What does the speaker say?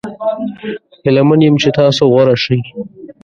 هیله من یم چې تاسو غوره شي.